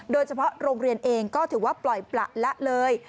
โดยเฉพาะโรงเรียนเองก็ถือว่าปล่อยประละเลย